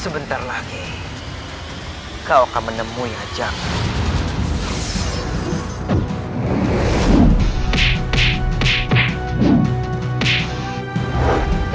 sebentar lagi kau akan menemui aja